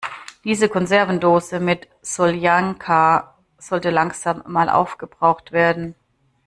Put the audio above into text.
Diese Konservendose mit Soljanka sollte langsam mal aufgebraucht werden.